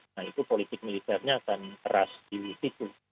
nah itu politik militernya akan keras di situ